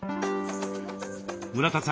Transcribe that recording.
村田さん